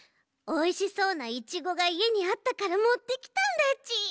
おいしそうなイチゴがいえにあったからもってきたんだち！